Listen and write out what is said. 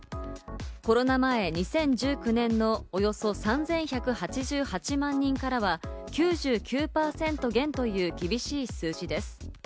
コロナ前、２０１９年のおよそ３１８８万人からは９９％減という厳しい数字です。